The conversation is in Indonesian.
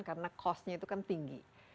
karena costnya itu kan tinggi